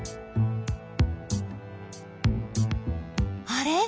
あれ？